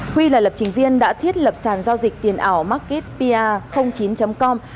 huy là lập trình viên đã thiết lập sản giao dịch tiền ảo marketpa chín com